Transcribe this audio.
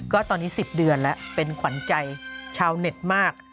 ก็ตอนนี้๑๐เดือนแล้วเป็นขวัญใจชาวเน็ตมาก